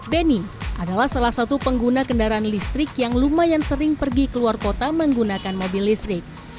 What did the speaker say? beni adalah salah satu pengguna kendaraan listrik yang lumayan sering pergi keluar kota menggunakan mobil listrik